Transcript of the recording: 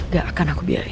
gak akan aku biarin